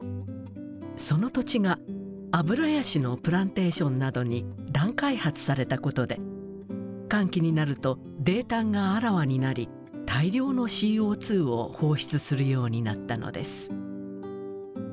その土地がアブラヤシのプランテーションなどに乱開発されたことで乾期になると泥炭があらわになり大量のＣＯを放出するようになったのです。